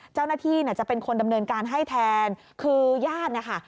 เจ้าหน้าที่เนี่ยจะเป็นคนดำเนินการให้แทนคือญาติเนี่ยค่ะ